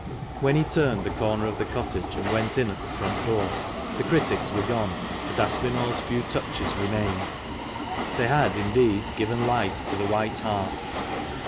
When he turned the corner of the cottage, and went in at the front door, the critics were gone, but Aspinall's "few touches" remained. They had indeed given life to the "White Hart.'